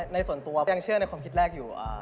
ในส่วนตัวก็ยังเชื่อในความคิดแรกอยู่